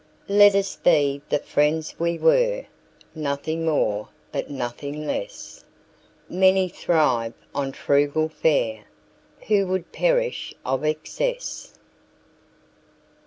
Let us be the friends we were, Nothing more but nothing less:Many thrive on frugal fareWho would perish of excess.